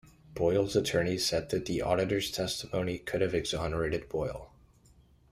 Boyle's attorneys said that the auditor's testimony could have exonerated Boyle.